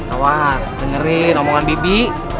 awas dengerin omongan bibi